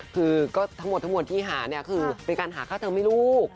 เป็นการหาฆ่าเธอไม่รู้